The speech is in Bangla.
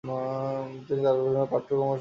তিনি দারুল উলুমের পাঠ্যক্রমও সংস্কার করেন।